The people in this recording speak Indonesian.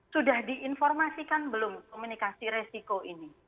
sudah diinformasikan belum komunikasi resiko ini